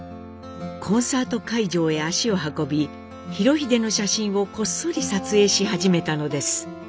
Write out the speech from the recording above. コンサート会場へ足を運び裕英の写真をこっそり撮影し始めたのです。